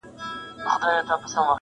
خلهٔ د یار کهٔ هر څومره ارزښت لري